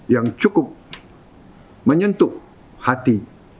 yang cukup menyentuh hati